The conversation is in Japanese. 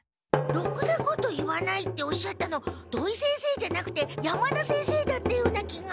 ろくなこと言わないっておっしゃったの土井先生じゃなくて山田先生だったような気が。